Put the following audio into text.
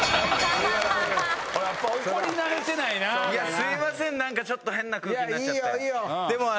すいません何かちょっと変な空気になって。